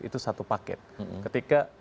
itu satu paket ketika